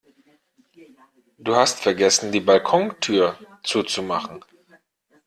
Du hast vergessen die Balkontür zuzumachen